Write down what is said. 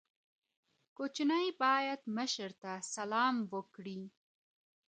کوچنی باید مشر ته سلام وکړي.